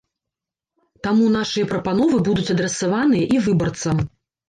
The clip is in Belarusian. Таму нашыя прапановы будуць адрасаваныя і выбарцам.